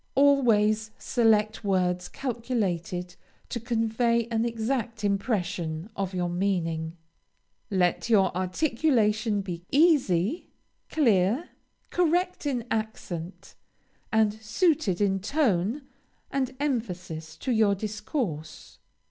Always select words calculated to convey an exact impression of your meaning. Let your articulation be easy, clear, correct in accent, and suited in tone and emphasis to your discourse.